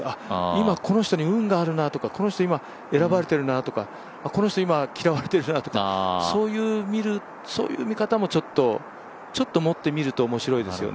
今、この人に運があるなとかこの人、今選ばれてるなとかこの人今、嫌われてるなとかそういう見方もちょっと持って見ると面白いですね。